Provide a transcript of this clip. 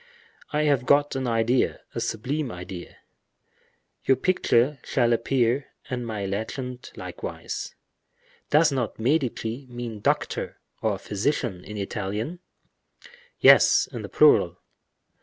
"I have got an idea, a sublime idea—your picture shall appear, and my legend likewise. Does not 'Medici' mean doctor, or physician, in Italian?" "Yes, in the plural."